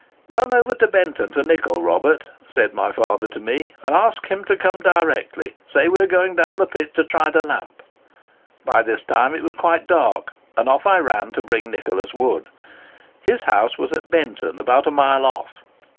'Run over to Benton for Nichol, Robert,' said my father to me, 'and ask him to come directly; say we're going down the pit to try the lamp.' By this time it was quite dark; and off I ran to bring Nicholas Wood. His house was at Benton, about a mile off.